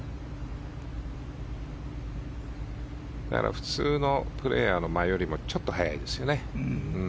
普通のプレーヤーよりも間がちょっと速いですよね。